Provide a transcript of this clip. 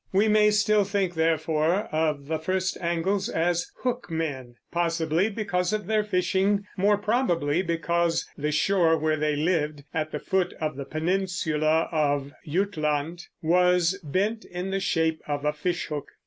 We may still think, therefore, of the first Angles as hook men, possibly because of their fishing, more probably because the shore where they lived, at the foot of the peninsula of Jutland, was bent in the shape of a fishhook.